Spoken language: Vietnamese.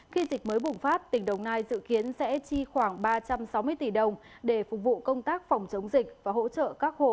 khi dịch mới bùng phát tỉnh đồng nai dự kiến sẽ chi khoảng ba trăm sáu mươi tỷ đồng để phục vụ công tác phòng chống dịch và hỗ trợ các hộ có heo phải tiêu hủy